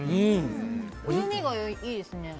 風味がいいですね。